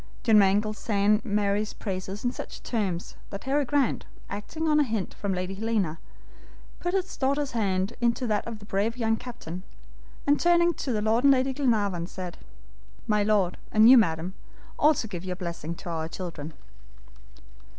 John Mangles sang Mary's praises in such terms, that Harry Grant, acting on a hint from Lady Helena, put his daughter's hand into that of the brave young captain, and turning to Lord and Lady Glenarvan, said: "My Lord, and you, Madam, also give your blessing to our children."